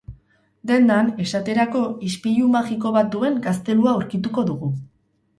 Dendan, esaterako, ispilu magiko bat duen gaztelua aurkituko dugu.